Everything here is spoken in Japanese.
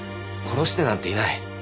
殺してなんていない。